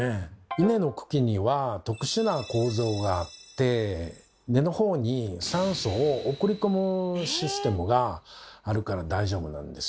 イネの茎には特殊な構造があって根のほうに酸素を送り込むシステムがあるから大丈夫なんです。